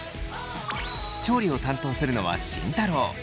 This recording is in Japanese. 調理を担当するのは慎太郎。